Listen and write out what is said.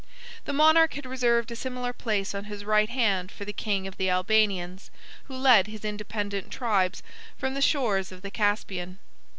The monarch had reserved a similar place on his right hand for the king of the Albanians, who led his independent tribes from the shores of the Caspian.